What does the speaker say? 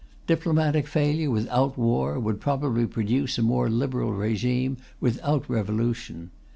Diplomatic failure, without war, would probably produce a more Liberal regime, without revolution.